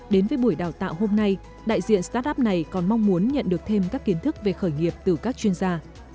đến với buổi đào tạo hôm nay đại diện start up này còn mong muốn nhận được thêm các kiến thức về khởi nghiệp từ các chuyên gia